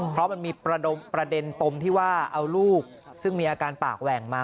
เพราะมันมีประเด็นปมที่ว่าเอาลูกซึ่งมีอาการปากแหว่งมา